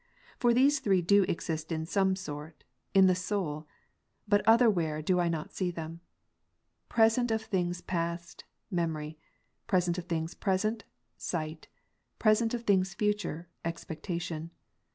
For these three do exist in some sort, in the soul, but otherwhere do I not see them ; present of things past, memory ; present of things present, sight ; present of things future, expectation.